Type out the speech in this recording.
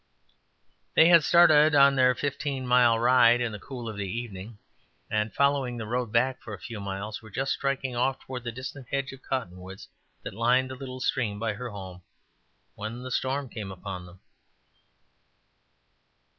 They had started on their fifteen mile ride in the cool of the evening, and following the road back for a few miles were just striking off toward the distant hedge of cotton woods that lined the little stream by her home when the storm came upon them.